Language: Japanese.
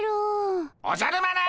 おじゃる丸！